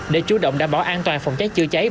để chủ động đảm bảo an toàn phòng cháy chữa cháy